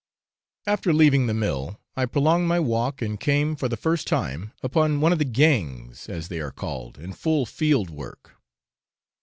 After leaving the mill, I prolonged my walk, and came, for the first time, upon one of the 'gangs,' as they are called, in full field work.